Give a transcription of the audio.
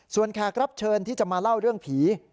ส่วนแขกรับเชิญที่จะมาเล่าเรื่องผี